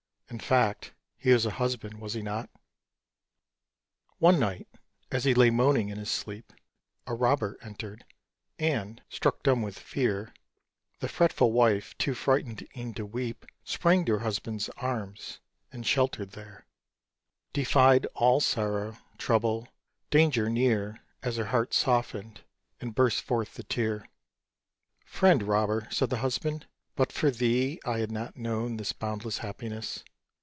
In fact, he was a Husband, was he not? One night, as he lay moaning in his sleep, A Robber entered; and, struck dumb with fear, The fretful Wife, too frightened e'en to weep, Sprang to her Husband's arms, and, sheltered there, Defied all sorrow, trouble, danger near, As her heart softened, and burst forth the tear. "Friend Robber," said the Husband, "but for thee I had not known this boundless happiness.